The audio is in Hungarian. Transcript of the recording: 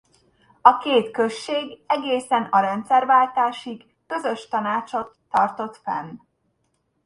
A két község egészen a rendszerváltásig közös tanácsot tartott fenn.